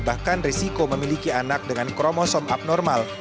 bahkan risiko memiliki anak dengan kromosom abnormal